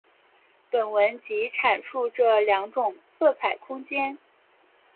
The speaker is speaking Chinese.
本文即阐述这两种色彩空间。